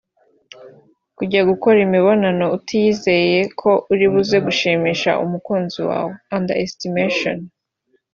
Kujya gukora imibonano utiyizeye ko uri buze gushimisha umukunzi wawe (underestimation )